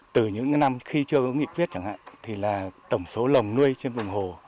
từ những năm khi chưa có nghị quyết chẳng hạn thì là tổng số lồng nuôi trên vùng hồ